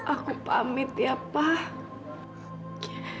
aku pamit ya pak